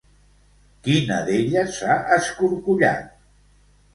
Quina d'elles s'ha escorcollat?